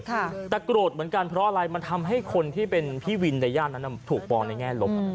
แต่โกรธเหมือนกันเพราะอะไรมันทำให้คนที่เป็นพี่วินในย่านนั้นถูกมองในแง่ลบ